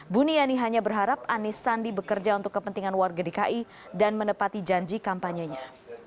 buniani hanya berharap anies sandi bekerja untuk kepentingan warga dki dan menepati janji kampanyenya